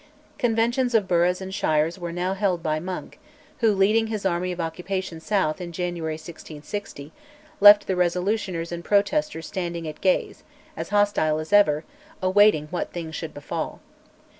Conventions of Burghs and Shires were now held by Monk, who, leading his army of occupation south in January 1660, left the Resolutioners and Protesters standing at gaze, as hostile as ever, awaiting what thing should befall.